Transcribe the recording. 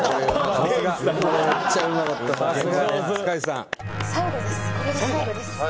これが最後です」